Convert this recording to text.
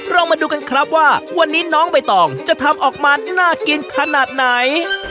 เรามาดูกันครับว่าวันนี้น้องใบตองจะทำออกมาน่ากินขนาดไหน